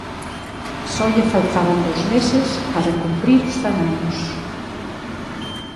Só lle faltaban dous meses para cumprir os cen anos.